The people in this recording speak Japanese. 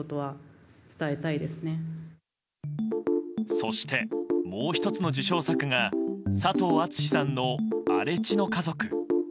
そして、もう１つの受賞作が佐藤厚志さんの「荒地の家族」。